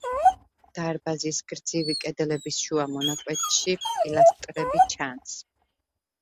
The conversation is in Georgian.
დარბაზის გრძივი კედლების შუა მონაკვეთში პილასტრები ჩანს.